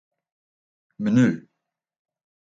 Menu.